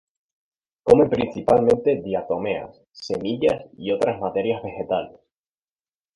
Come principalmente diatomeas, semillas y otras materias vegetales.